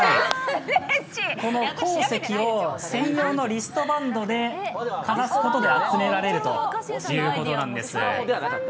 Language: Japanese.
この鉱石を専用のリストバンドでかざすことで集められるということなんです。